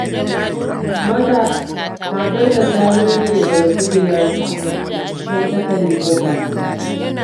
Matarsa ta mike daga kujerarta. Sai ta kalli kofar.